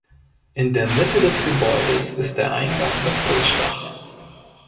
In der Mitte des Gebäudes ist der Eingang mit Pultdach.